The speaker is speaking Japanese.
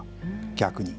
逆に。